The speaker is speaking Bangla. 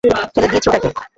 ফেলে দিয়েছি ওটাকে!